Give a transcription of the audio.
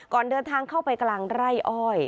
ก่อนเดินทางเข้าไปกลางไร่อ้อย